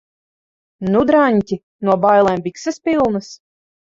Nu, draņķi? No bailēm bikses pilnas?